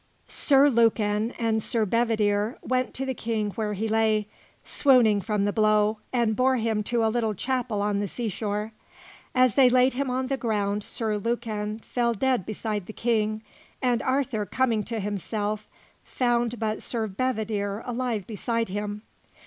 Sir Lucan and Sir Bedivere went to the King where he lay, swooning from the blow, and bore him to a little chapel on the seashore. As they laid him on the ground, Sir Lucan fell dead beside the King, and Arthur, coming to himself, found but Sir Bedivere alive beside him.